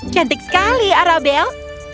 cantik sekali arabel